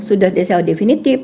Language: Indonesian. sudah desa definitif